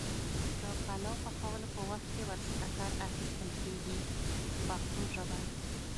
د پلو پخولو په وخت کې ور څخه کار اخیستل کېږي په پښتو ژبه.